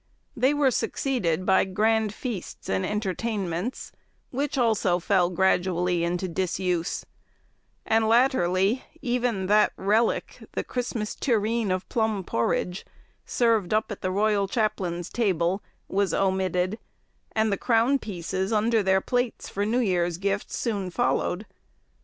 They were succeeded by grand feasts and entertainments, which also fell gradually into disuse, and latterly even that relic, the Christmas tureen of plum porridge, served up at the royal chaplains' table, was omitted, and the crown pieces under their plates for New Year's Gifts soon followed.